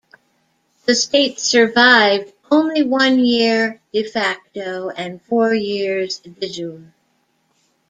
The state survived only one year "de facto" and four years "de jure".